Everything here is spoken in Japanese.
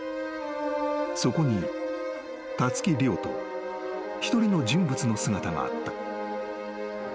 ［そこにたつき諒と一人の人物の姿があった］